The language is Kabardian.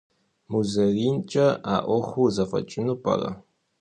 МузэринкӀэ а Ӏуэхур зэфӀэкӀыну пӀэрэ?